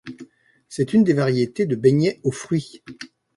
C'est une des variétés de beignets aux fruits.